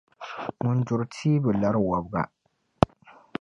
Ŋun duri tia bi lari wɔbiga.